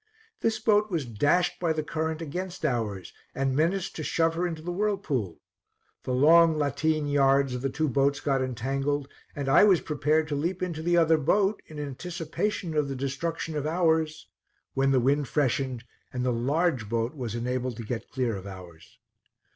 This boat was dashed by the current against ours, and menaced to shove her into the whirlpool. The long lateen yards of the two boats got entangled, and I was prepared to leap into the other boat, in anticipation of the destruction of ours, when the wind freshened, and the large boat was enabled to get clear of ours.